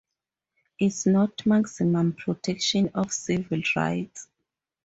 It’s not maximum protection of civil rights.